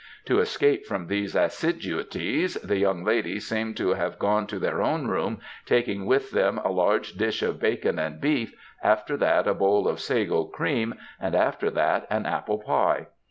To escape from these assiduities the young ladies seem to have gone to their own room, taking with them a large dish of bacon and beef, after that a bowl of sago cream, and after that an apple pye.